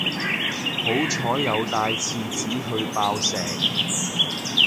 好彩有帶廁紙去爆石